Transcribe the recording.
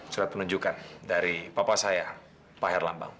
surat penunjukan dari papa saya pak herlambang